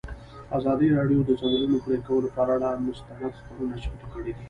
ازادي راډیو د د ځنګلونو پرېکول پر اړه مستند خپرونه چمتو کړې.